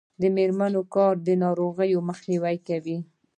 د میرمنو کار د ناروغیو مخنیوی کوي.